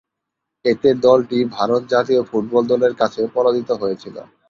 এতে দলটি ভারত জাতীয় ফুটবল দলের কাছে পরাজিত হয়েছিল।